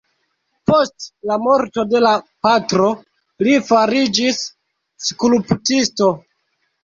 Post la morto de la patro li fariĝis skulptisto.